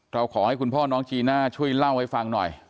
ขอให้คุณพ่อน้องจีน่าช่วยเล่าให้ฟังหน่อย